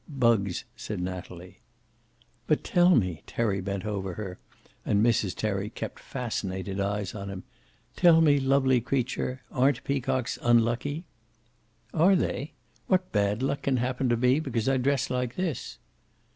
"Bugs," said Natalie. "But tell me," Terry bent toward her, and Mrs. Terry kept fascinated eyes on him. "Tell me, lovely creature aren't peacocks unlucky?" "Are they? What bad luck can happen to me because I dress like this?"